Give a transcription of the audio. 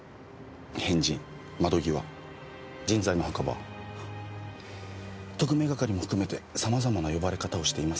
変人窓際人材の墓場特命係も含めて様々な呼ばれ方をしています。